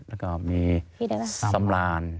แล้วก็มีสำราญ